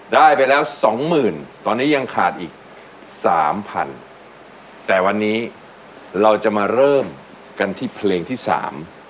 ได้ไปแล้วสองหมื่นตอนนี้ยังขาดอีกสามพันแต่วันนี้เราจะมาเริ่มกันที่เพลงที่สาม